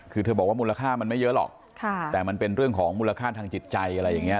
คือเธอบอกว่ามูลค่ามันไม่เยอะหรอกแต่มันเป็นเรื่องของมูลค่าทางจิตใจอะไรอย่างนี้